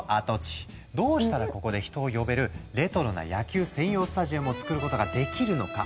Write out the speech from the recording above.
どうしたらここで人を呼べるレトロな野球専用スタジアムを作ることができるのか？